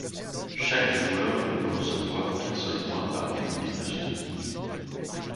Chaque joueur ne peut recevoir qu'un seul point par but de son équipe.